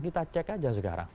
kita cek aja sekarang